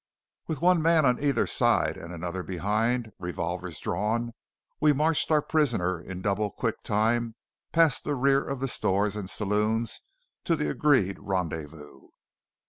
With one man on either side and another behind, revolvers drawn, we marched our prisoner in double quick time past the rear of the stores and saloons to the agreed rendezvous.